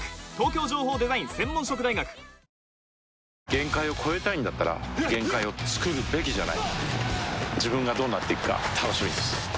限界を越えたいんだったら限界をつくるべきじゃない自分がどうなっていくか楽しみです